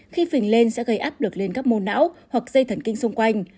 khi phình lên sẽ gây áp lực lên các mô não hoặc dây thần kinh xung quanh